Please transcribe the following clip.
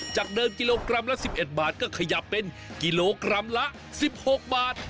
จากเดิมกิโลกรัมละ๑๑บาทก็ขยับเป็นกิโลกรัมละ๑๖บาท